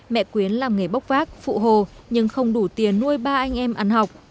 mẹ quyến làm nghề bốc vác phụ hồ nhưng không đủ tiền nuôi ba anh em ăn học